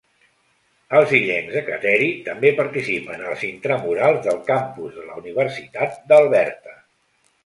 Els illencs de Kateri també participen als intramurals del campus de la Universitat d'Alberta.